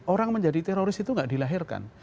orang menjadi teroris itu tidak dilahirkan